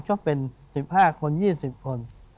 ก็เป็น๑๕คน๒๐คน